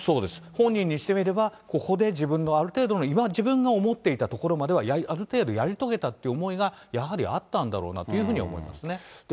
本人にしてみれば、ここで自分のある程度の、今自分が思っていたところまではある程度、やり遂げたっていう思いが、やはりあったんだろうなというふうに思いますね。